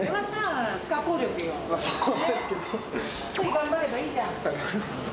次を頑張ればいいじゃん。